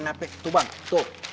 tapi tuh bang tuh